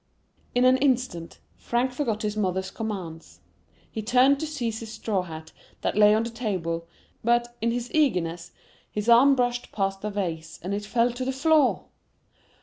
In an instant, Frank forgot his mother's commands. He turned to seize his straw hat that lay on the table; but, in his eagerness, his arm brushed past the vase, and it fell to the floor!